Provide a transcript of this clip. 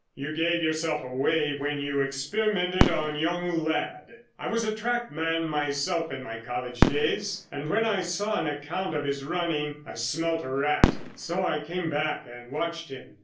You gave yourself away when you experimented on young Ladd. I was a track man myself in my college days and when I saw an account of his running, I smelt a rat, so I came back and watched him.